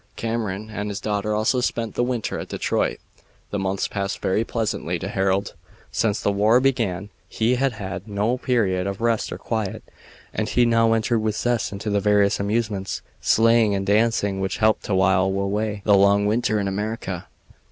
Cameron and his daughter also spent the winter at Detroit. The months passed very pleasantly to Harold. Since the war began he had had no period of rest or quiet, and he now entered with zest into the various amusements, sleighing, and dancing, which helped to while away the long winter in America.